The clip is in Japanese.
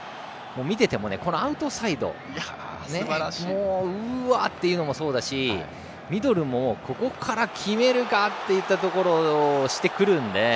見ていてもアウトサイドうわあっていうのもそうだしおミドルも、ここから決めるかといったところをしてくるので。